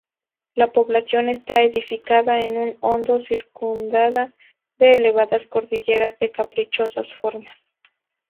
La población está edificada en un hondo, circundada de elevadas cordilleras de caprichosas formas.